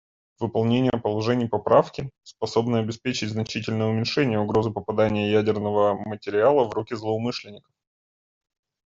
Выполнение положений Поправки способно обеспечить значительное уменьшение угрозы попадания ядерного материала в руки злоумышленников.